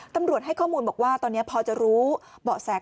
ตำรวจให้ข้อมูลบอกว่าตอนนี้พอจะรู้เบาะแส